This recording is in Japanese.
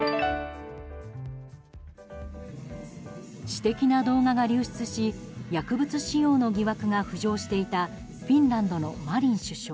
私的な動画が流出し薬物使用の疑惑が浮上していたフィンランドのマリン首相。